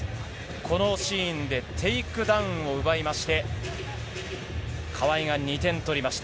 このシーンでテイクダウンを奪いまして、川井が２点取りました。